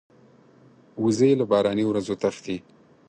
وزې له باراني ورځو تښتي